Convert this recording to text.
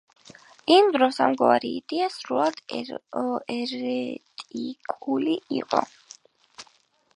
იმ დროს ამგვარი იდეა სრულიად ერეტიკული იყო.